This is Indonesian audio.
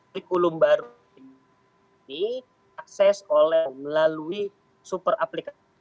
reklum baru ini akses oleh melalui super aplikasi